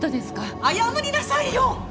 謝りなさいよ！